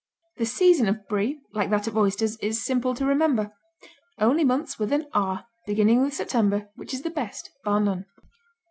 The season of Brie, like that of oysters, is simple to remember: only months with an "R," beginning with September, which is the best, bar none.